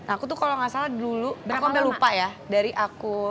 aku tuh kalau nggak salah dulu aku udah lupa ya dari aku